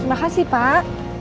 terima kasih pak